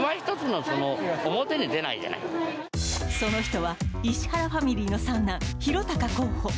その人は石原ファミリーの三男宏高候補。